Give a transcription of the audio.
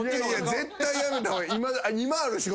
絶対やめた方がいい。